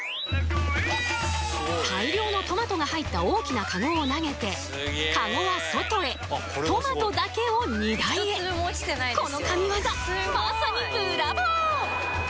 大量のトマトが入った大きなカゴを投げてカゴは外へトマトだけを荷台へこの神業まさにブラボー！